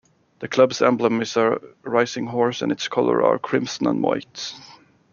The club's emblem, is a rising horse and its colors are crimson and white.